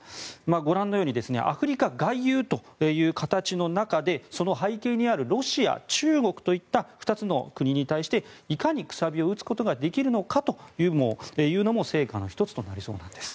ご覧のようにアフリカ外遊という形の中でその背景にあるロシア、中国といった２つの国に対して、いかに楔を打つことができるのかというのも成果の１つとなりそうです。